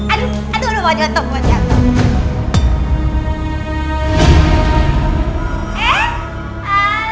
aduh aduh aduh wajah wajah wajah